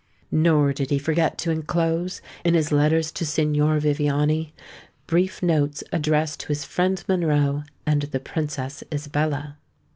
Nor did he forget to enclose, in his letters to Signor Viviani, brief notes addressed to his friend Monroe and the Princess Isabella.